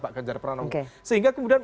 pak ganjar dan prabowo sehingga kemudian